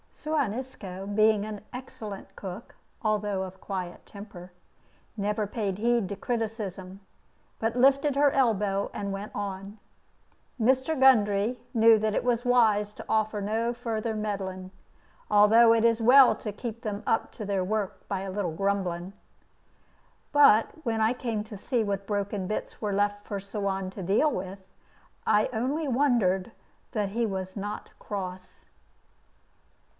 Suan Isco, being an excellent cook (although of quiet temper), never paid heed to criticism, but lifted her elbow and went on. Mr. Gundry knew that it was wise to offer no further meddling, although it is well to keep them up to their work by a little grumbling. But when I came to see what broken bits were left for Suan to deal with, I only wondered that he was not cross.